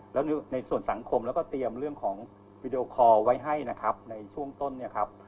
แล้วในส่วนสังคมแล้วก็เตรียมเรื่องของวีดีโอคอลไว้ให้นะครับในช่วงต้นเนี่ยครับ